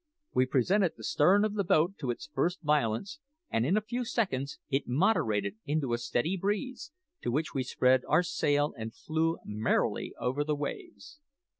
We presented the stern of the boat to its first violence, and in a few seconds it moderated into a steady breeze, to which we spread our sail and flew merrily over the waves.